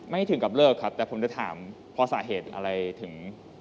ถึงกับเลิกครับแต่ผมจะถามเพราะสาเหตุอะไรถึง